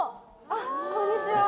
あっこんにちは。